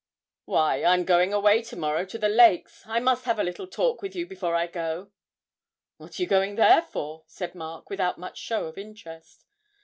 Why, I'm going away to morrow to the lakes. I must have a little talk with you before I go.' 'What are you going there for?' said Mark, without much show of interest.